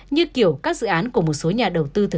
như kiểu các dự án của một số nhà đầu tư